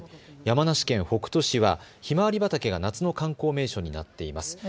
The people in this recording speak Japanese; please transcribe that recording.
山梨県北杜市はひまわり畑が夏の観光名所になっています。